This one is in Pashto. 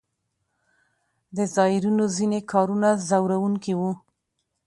د زایرینو ځینې کارونه ځوروونکي وو.